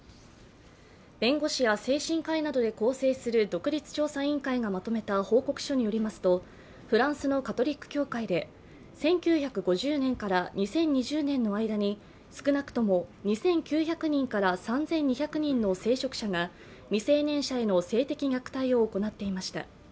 弁護士や精神科医などで構成する独立調査委員会がまとめた報告書によりますと、フランスのカトリック教会で１９５０年２０２０年の間に少なくとも２９００人から３２００人の聖職者が未成年者への性的虐待を行っていました。